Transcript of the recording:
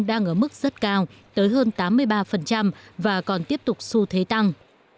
đang ở mức rất cao tới hơn tám mươi ba và còn tiếp tục xu thế tăng